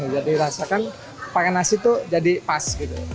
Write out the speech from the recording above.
jadi rasakan pake nasi tuh jadi pas